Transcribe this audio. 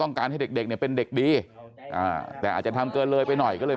ต้องการให้เด็กเป็นเด็กดีแต่อาจจะทำเกินเลยไปหน่อยก็เลย